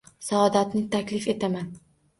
Saodatni taklif etaman!